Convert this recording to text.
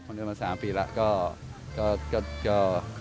มันเดินมา๓ปีแล้วก็